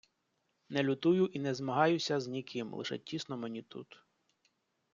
Не лютую і не змагаюся з ніким, лише тісно мені тут.